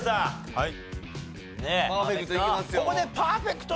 はい。